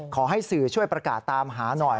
ขอให้สื่อช่วยประกาศตามหาหน่อย